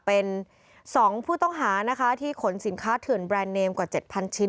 เป็น๒ผู้ต้องหานะคะที่ขนสินค้าเถื่อนแบรนด์เนมกว่า๗๐๐ชิ้น